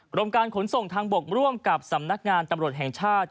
กรมการขนส่งทางบกร่วมกับสำนักงานตำรวจแห่งชาติ